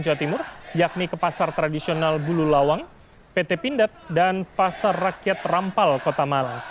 jokowi menemukan peluru yang terkenal di jawa timur yakni ke pasar tradisional bulu lawang pt pindad dan pasar rakyat rampal kota malang